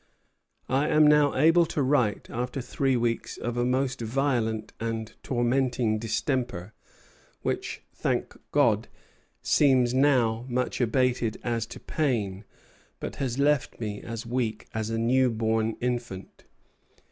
"I am now able to write after three weeks of a most violent and tormenting distemper, which, thank God, seems now much abated as to pain, but has left me as weak as a new born infant.